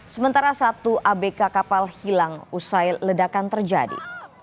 sementara satu abk kapal hilang usai ledakan terjadi